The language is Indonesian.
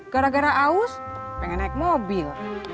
gara gara aus pengen naik mobil